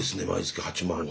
毎月８万は。